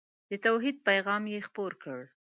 د توحید پیغام یې خپور کړ.